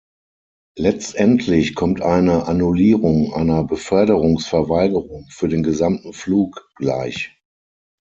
Letztendlich kommt eine Annullierung einer Beförderungsverweigerung für den gesamten Flug gleich.